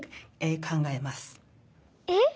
えっ？